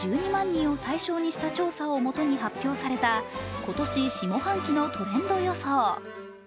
人を対象にした調査をもとに発表された今年下半期のトレンド予想。